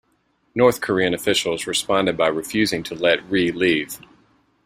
North Korean officials responded by refusing to let Ri leave.